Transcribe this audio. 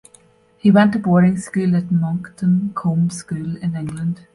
He went to boarding school at Monkton Combe School in England.